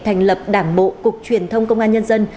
thành lập đảng bộ cục truyền thông công an nhân dân